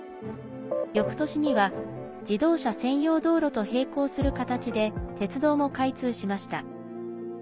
よくとしには自動車専用道路と平行する形で鉄道も開通しました。